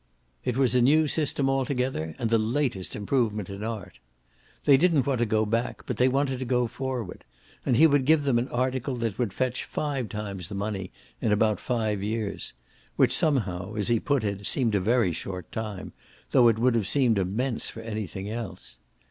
It was a new system altogether and the latest improvement in art. They didn't want to go back, they wanted to go forward, and he would give them an article that would fetch five times the money in about five years which somehow, as he put it, seemed a very short time, though it would have seemed immense for anything else.